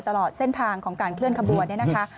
ตลอดเส้นทางของการเคลื่อนขบวนเนี่ยนะคะ